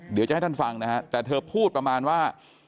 เดี๋ยวจะให้ท่านฟังนะฮะแต่เธอพูดประมาณว่า